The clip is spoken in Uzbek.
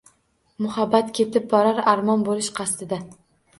Muhabbat ketib borar, armon bo‘lish qasdida.